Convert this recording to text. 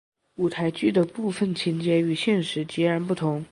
舞台剧的部分情节与现实截然不同。